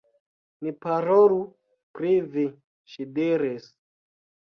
Ni parolu pri vi, ŝi diris.